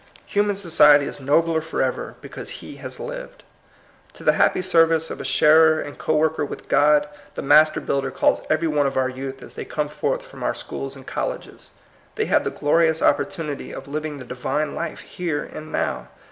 Human society is nobler forever because he has lived. To the happy service of a sharer and co worker with God, the Master Builder calls every one of our youth as they come forth from our schools and colleges. They have the glorious opportunity of living the Divine life here and now.